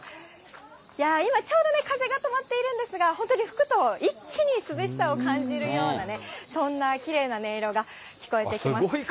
いやー、今ちょうどね、風が止まっているんですが、本当に、吹くと一気に涼しさを感じるようなね、そんなきれいな音色が聞こえてきます。